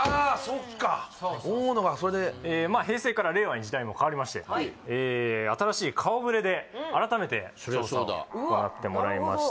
そうそう大野がそれで平成から令和に時代も変わりまして新しい顔ぶれで改めて調査を行ってもらいました